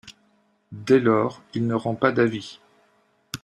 Dès lors, il ne rend pas d’avis.